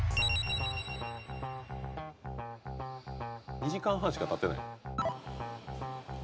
「２時間半しかたってない」